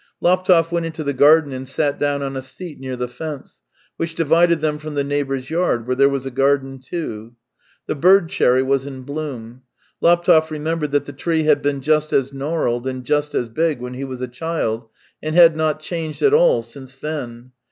Laptev went into the garden and sat down on a seat near the fence, which divided them from the neighbour's yard, where there was a garden, too. The bird cherry was in bloom. Laptev remembered that the tree had been just as gnarled and just as big when he was a child, and had not changed at all since then.